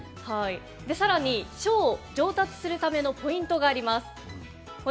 さらにショーを上達するためのポイントがあります。